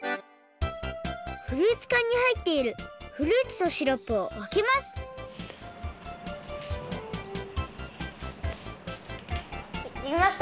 フルーツかんにはいっているフルーツとシロップをわけますできました。